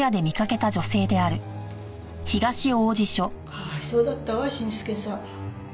かわいそうだったわ伸介さん。